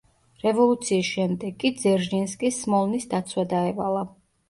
რევოლუციის შემდეგ კი ძერჟინსკის სმოლნის დაცვა დაევალა.